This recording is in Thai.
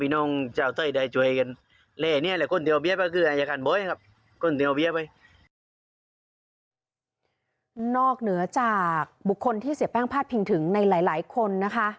นอกเหนือจากบุคคลที่เสียแป้งพาดพิงถึงในหลายคนนะคะ